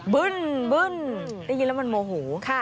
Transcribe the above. เบิ้ลเบิ้ลได้ยินแล้วมันโมหู